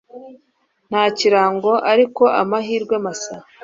nta kirango, ariko amahirwe masa